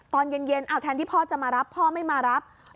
ตอนเย็นแทนที่พ่อจะมารับพ่อไม่มารับ